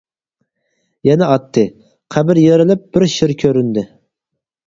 يەنە ئاتتى، قەبرە يېرىلىپ بىر شىر كۆرۈندى.